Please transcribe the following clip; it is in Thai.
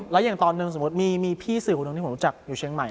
แล้วอย่างตอนหนึ่งสมมุติมีพี่สื่อคนหนึ่งที่ผมรู้จักอยู่เชียงใหม่